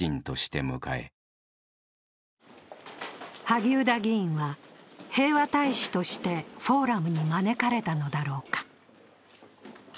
萩生田議員は平和大使としてフォーラムに招かれたのだろうか。